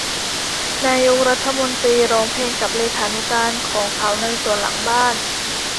นายกรัฐมนตรีร้องเพลงกับเลขานุการของเขาในสวนหลังบ้าน